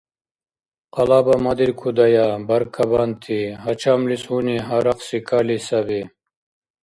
КъалабамадикӀудая, баркабанти, гьачамлис гьуни гьарахъси кали саби…